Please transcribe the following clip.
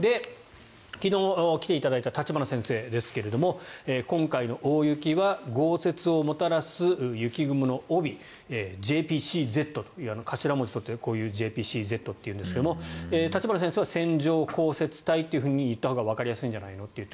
昨日、来ていただいた立花先生ですが今回の大雪は豪雪をもたらす雪雲の帯ＪＰＣＺという、頭文字を取ってＪＰＣＺと言うんですが立花先生は線状降雪帯といったほうがわかりやすいんじゃないのと言って